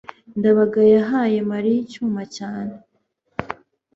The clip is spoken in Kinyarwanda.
ndabaga yahaye mariya icyuma cyane